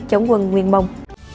chống quân nguyên mông